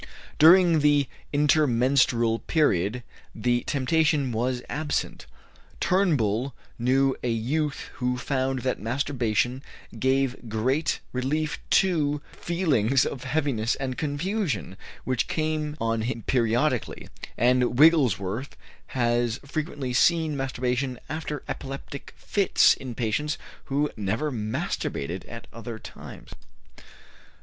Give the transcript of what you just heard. During the intermenstrual period the temptation was absent. Turnbull knew a youth who found that masturbation gave great relief to feelings of heaviness and confusion which came on him periodically; and Wigglesworth has frequently seen masturbation after epileptic fits in patients who never masturbated at other times.